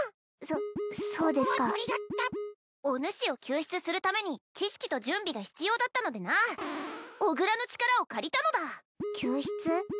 そそうですかおぬしを救出するために知識と準備が必要だったのでな小倉の力を借りたのだ救出？